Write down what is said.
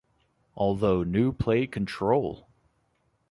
Although New Play Control!